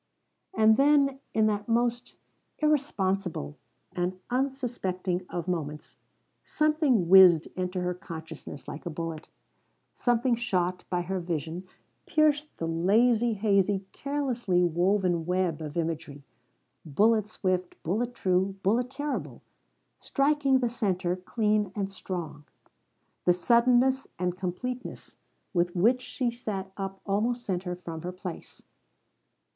And then in that most irresponsible and unsuspecting of moments something whizzed into her consciousness like a bullet something shot by her vision pierced the lazy, hazy, carelessly woven web of imagery bullet swift, bullet true, bullet terrible striking the center clean and strong. The suddenness and completeness with which she sat up almost sent her from her place.